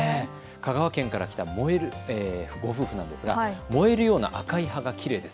香川県から来たご夫婦は、燃えるような赤い葉がきれいです。